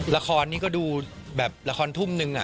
ละครนี่ก็ดูแบบละครทุ่มนึง